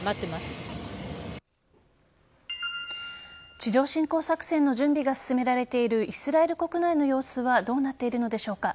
地上侵攻作戦の準備が進められているイスラエル国内の様子はどうなっているのでしょうか。